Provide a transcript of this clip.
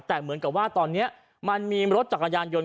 แต่เหมือนกับว่าตอนนี้มันมีรถจักรยานยนต